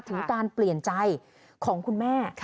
ถึงการเปลี่ยนใจของคุณแม่